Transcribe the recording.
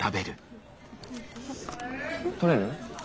取れる？